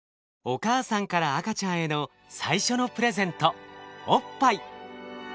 お母さんから赤ちゃんへの最初のプレゼントおっぱい。